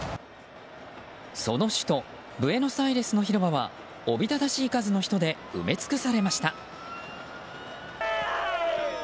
その首都ブエノスアイレスの広場はおびただしい数の人で埋め尽くされました。